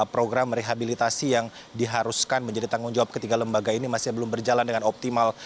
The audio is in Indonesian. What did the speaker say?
program rehabilitasi yang diharuskan menjadi tanggung jawab ketiga lembaga ini masih belum berjalan dengan optimal